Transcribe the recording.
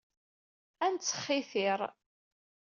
Ar nettxitir.